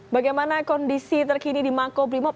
bagaimana kondisi terkini di makobrimob